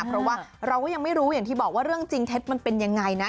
เพราะว่าเราก็ยังไม่รู้อย่างที่บอกว่าเรื่องจริงเท็จมันเป็นยังไงนะ